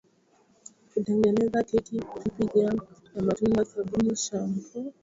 Hutengeneza keki pipi jam ya matunda sabuni shampoo na mafuta ya kupaka na nywele